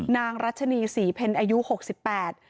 นางรัชนีศรีเพลอายุหกสิบแปด